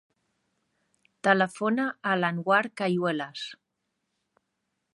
Telefona a l'Anwar Cayuelas.